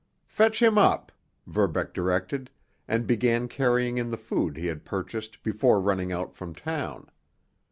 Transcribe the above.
"Fetch him up," Verbeck directed, and began carrying in the food he had purchased before running out from town.